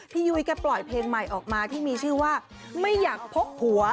ยุ้ยก็ปล่อยเพลงใหม่ออกมาที่มีชื่อว่าไม่อยากพกหัว